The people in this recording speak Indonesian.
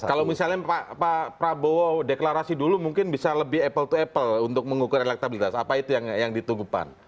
kalau misalnya pak prabowo deklarasi dulu mungkin bisa lebih apple to apple untuk mengukur elektabilitas apa itu yang ditunggu pan